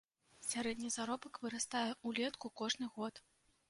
Сярэдні заробак вырастае ўлетку кожны год.